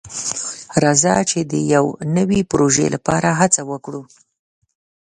راځه چې د یو نوي پروژې لپاره هڅه وکړو.